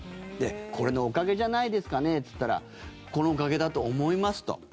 これのおかげじゃないですかねって言ったらこのおかげだと思いますと。